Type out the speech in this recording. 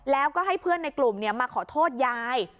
แล้วก็ให้เพื่อนในกลุ่มมาขอโทษยาย